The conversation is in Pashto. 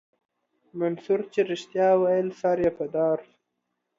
منصور چې رښتيا ويل سر يې په دار سو.